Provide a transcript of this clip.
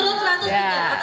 tunggu tunggu tunggu